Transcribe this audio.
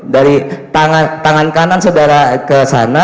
dari tangan kanan saudara ke sana